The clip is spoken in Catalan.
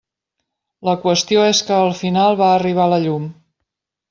La qüestió és que al final va arribar la llum.